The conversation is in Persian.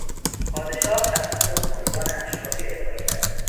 پادشاه شخصا به او عنوان اشرافی اعطا کرد.